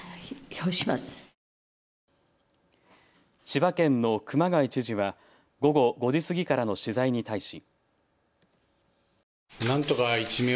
千葉県の熊谷知事は午後５時過ぎからの取材に対し。